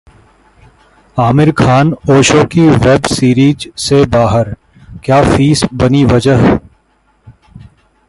Aamir Khan Osho की web series से बाहर? क्या फीस बनी वजह!